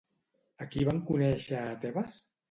A qui van conèixer a Tebes?